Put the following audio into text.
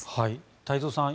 太蔵さん